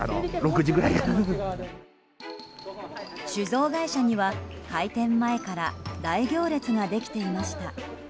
酒造会社には開店前から大行列ができていました。